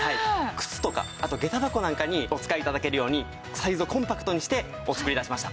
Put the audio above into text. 靴とかあとげた箱なんかにお使い頂けるようにサイズをコンパクトにしてお作り致しました。